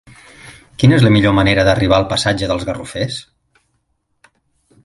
Quina és la millor manera d'arribar al passatge dels Garrofers?